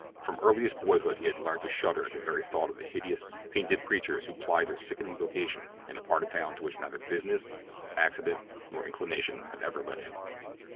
From earliest boyhood he had learned to shudder at the very thought of the hideous, painted creatures who plied their sickening vocation in a part of the town to which neither business, accident, nor inclination, had ever led him.